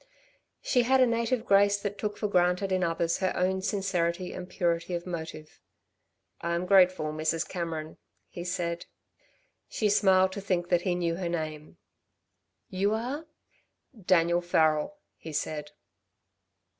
She had a native grace that took for granted in others her own sincerity and purity of motive. "I am grateful, Mrs. Cameron," he said. She smiled to think that he knew her name. "You are " "Daniel Farrel," he said.